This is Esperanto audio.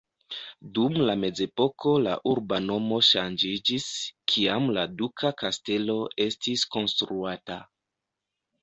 Dum la mezepoko la urba nomo ŝanĝiĝis, kiam la duka kastelo estis konstruata.